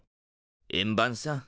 円盤さん。